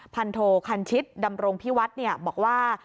พันโทคันชิตดำรงพิวัฒน์บอกว่า